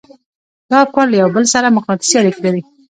دا افکار له يو بل سره مقناطيسي اړيکې لري.